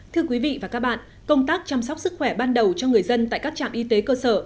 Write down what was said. thưa quý vị và các bạn công tác chăm sóc sức khỏe ban đầu cho người dân tại các trạm y tế cơ sở